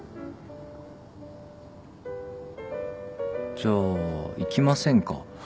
じゃあ行きませんか？